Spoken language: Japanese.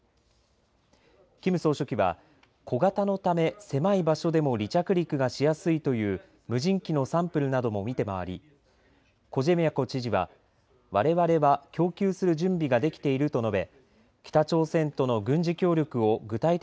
キム総書記は小型のため狭い場所でも離着陸がしやすいという無人機のサンプルなども見て回りコジェミャコ知事はわれわれは供給する準備ができていると述べ